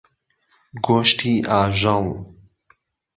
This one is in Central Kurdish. گۆشتی ئاژەڵ.